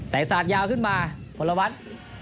แต่ศาสตร์ยาวขึ้นมาพลวัตร